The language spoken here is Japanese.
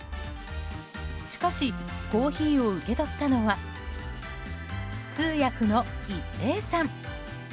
しかし、コーヒーを受け取ったのは通訳の一平さん。